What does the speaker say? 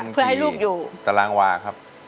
ประมาณกี่ตารางวาครับ